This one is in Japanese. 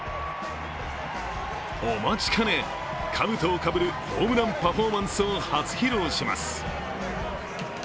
お待ちかね、かぶとをかぶるホームランパフォーマンスを初披露します。